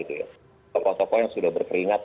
tokoh tokoh yang sudah berkeringat